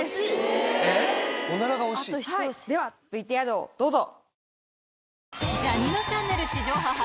ではＶＴＲをどうぞ。